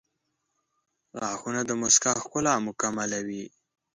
• غاښونه د مسکا ښکلا مکملوي.